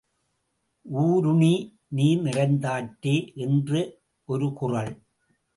ஊருணி நீர் நிறைந்தற்றே என்று ஒரு குறள்.